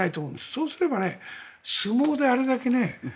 そうすれば、相撲であれだけ。